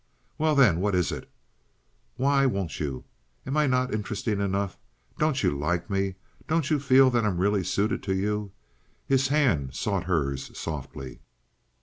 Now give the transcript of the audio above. "Well, then, what is it? Why won't you? Am I not interesting enough? Don't you like me? Don't you feel that I'm really suited to you?" His hand sought hers softly.